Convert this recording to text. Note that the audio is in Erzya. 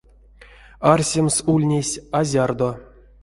Арсемс ульнесь а зярдо.